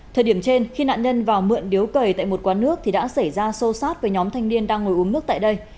thời điểm trên khi nạn nhân vào mượn điếu cầy tại một quán nước thì đã xảy ra xô xát với nhóm thanh niên đang ngồi uống nước tại đây